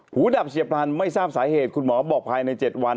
ดับเฉียบพลันไม่ทราบสาเหตุคุณหมอบอกภายใน๗วัน